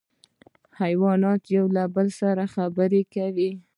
حیوانات له یو بل سره خبرې کوي